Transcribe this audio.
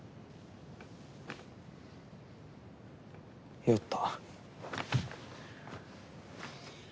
酔った。